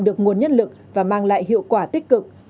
được nguồn nhân lực và mang lại hiệu quả tích cực